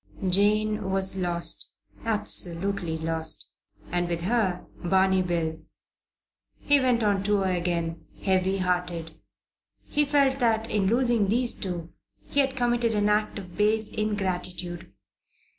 Jane was lost, absolutely lost and, with her, Barney Bill. He went on tour again, heavy hearted. He felt that, in losing these two, he had committed an act of base ingratitude.